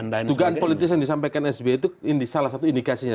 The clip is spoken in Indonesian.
dugaan politis yang disampaikan sby itu salah satu indikasinya